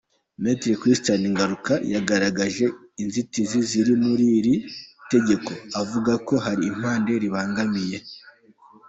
Maître Christian Ngaruka yagaragaje inzitizi ziri muri iri tegeko avuga ko hari impande ryabangamiye.